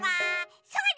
そうだ！